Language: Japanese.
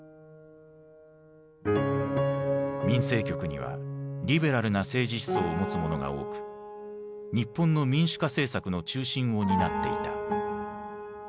民生局にはリベラルな政治思想を持つ者が多く日本の民主化政策の中心を担っていた。